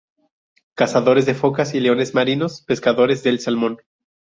Cazadores de focas y leones marinos, pescadores del salmón.